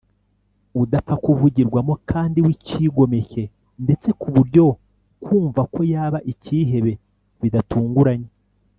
udapfa kuvugirwamo kandi w’icyigomeke ndetse ku buryo kumva ko yaba icyihebe bidatunguranye